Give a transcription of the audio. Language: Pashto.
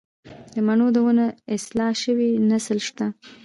د مڼو د ونو اصلاح شوی نسل شته